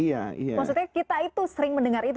maksudnya kita itu sering mendengar itu